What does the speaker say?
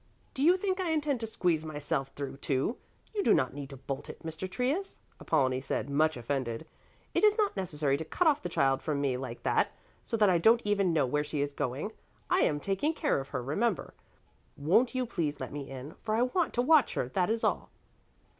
"Do you think I intend to squeeze myself through, too? You do not need to bolt it, Mr. Trius," Apollonie said, much offended. "It is not necessary to cut off the child from me like that, so that I don't even know where she is going. I am taking care of her, remember. Won't you please let me in, for I want to watch her, that is all."